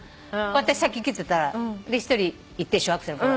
私先来てたら１人いて小学生の子が。